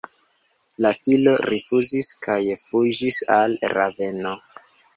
La filo rifuzis kaj fuĝis al Raveno.